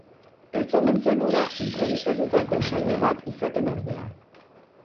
Ez omen zen hura inprobisatutako saio bat izaten ordea.